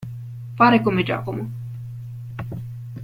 Fare come Giacomo.